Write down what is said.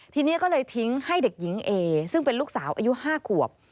ทีนี้ก็เลยทิ้งให้เด็กหญิงเอซึ่งเป็นลูกสาวอายุ๕ขวบ